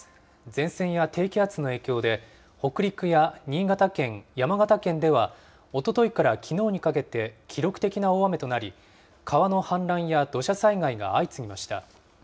前線や低気圧の影響で、北陸や新潟県、山形県では、おとといからきのうにかけて記録的な大雨となり、川の氾濫や土砂災害が相次ぎました。